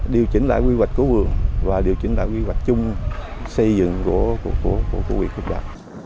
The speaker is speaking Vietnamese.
điều chỉnh lại quy hoạch của vườn và điều chỉnh lại quy hoạch chung xây dựng của huyện phúc thọ